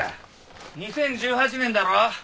２０１８年だろ？